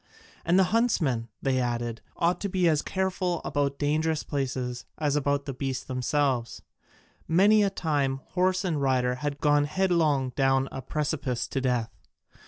And the huntsman, they added, ought to be as careful about dangerous places as about the beasts themselves: many a time horse and rider had gone headlong down a precipice to death.